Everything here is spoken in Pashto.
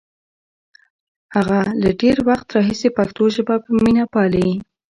هغه له ډېر وخت راهیسې پښتو ژبه په مینه پالي.